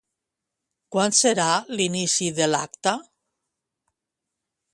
Quan serà l'inici de l'acte?